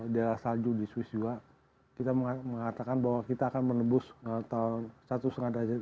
daerah salju di swiss juga kita mengatakan bahwa kita akan menembus tahun satu setengah derajat